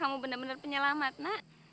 kamu benar benar penyelamat nak